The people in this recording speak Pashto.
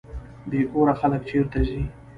بې کوره خلک چیرته ځي؟